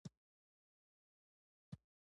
افغانستان د ځنګلونه په اړه علمي څېړنې لري.